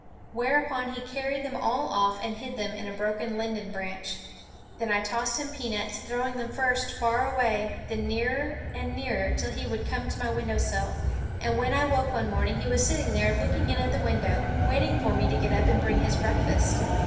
Whereupon he carried them all off and hid them in a broken linden branch. Then I tossed him peanuts, throwing them first far away, then nearer and nearer till he would come to my window sill. And when I woke one morning he was sitting there looking in at the window, waiting for me to get up and bring his breakfast.